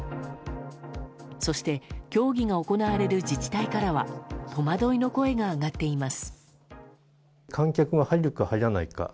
そして、競技が行われれる自治体からは戸惑いの声が上がっています。